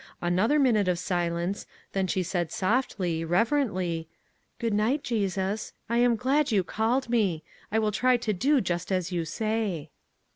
Another minute of silence, then she said softly, rever ently :" Good night, Jesus ; I am glad you called me. I will try to do just as you say."